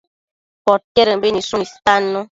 Podquedëmbi nidshun istannu